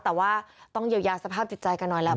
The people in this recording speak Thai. แต่ว่าต้องเยียวยาสภาพจิตใจกันหน่อยแล้ว